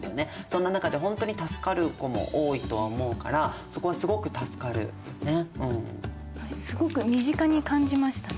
そんな中でほんとに助かる子も多いとは思うからそこはすごく助かるよね。